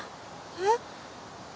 えっ？